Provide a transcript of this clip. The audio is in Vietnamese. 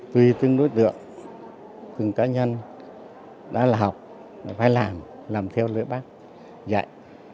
tùy từng đối tượng từng cá nhân đã là học phải làm làm theo lời bác dạy